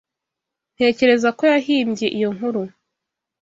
Ntekereza ko yahimbye iyo nkuru.